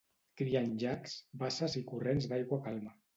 Cria en llacs, basses i corrents d'aigua calma.